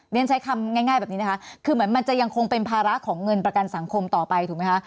เรียนใช้คำง่ายแบบนี้นะคะคือเหมือนมันจะยังคงเป็นภาระของเงินประกันสังคมต่อไปถูกไหมคะ